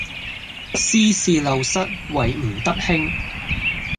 斯是陋室，惟吾德馨